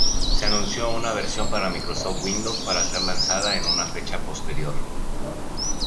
Se anunció una versión para Microsoft Windows para ser lanzada en una fecha posterior.